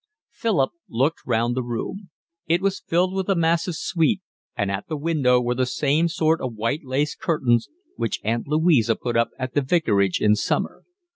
Philip looked round the room. It was filled with a massive suite, and at the window were the same sort of white lace curtains which Aunt Louisa put up at the vicarage in summer.